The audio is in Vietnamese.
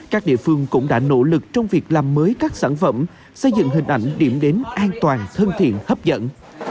các địa phương cũng đã nỗ lực trong việc làm mới các sản phẩm xây dựng hình ảnh điểm đến an toàn thân thiện hấp dẫn